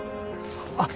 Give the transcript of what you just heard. あっ。